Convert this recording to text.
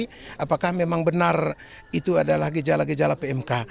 apakah memang benar itu adalah gejala gejala pmk